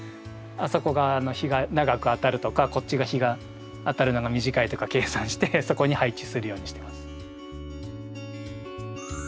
あそこが日が長く当たるとかこっちが日が当たるのが短いとか計算してそこに配置するようにしてます。